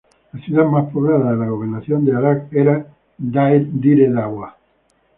La ciudad más poblada de la Gobernación de Harar era Dire Dawa.